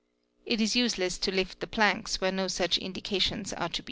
It is use s to lift the planks where no such indications are to be seen.